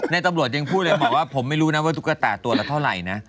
ตำรวจยังพูดเลยบอกว่าผมไม่รู้นะว่าตุ๊กตาตัวละเท่าไหร่นะ